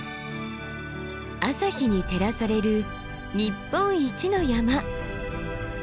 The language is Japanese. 朝日に照らされる日本一の山。